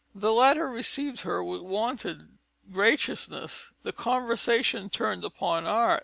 The latter received her with her wonted graciousness. The conversation turned upon art.